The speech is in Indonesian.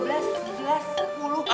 kecik motor kok mana ya